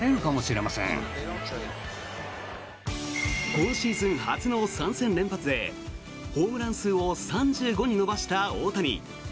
今シーズン初の３戦連発でホームラン数を３５に伸ばした大谷。